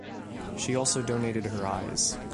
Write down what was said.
She also donated her eyes.